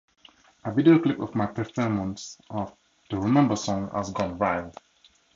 A video clip of my performance of "The Remember Song" has 'gone viral.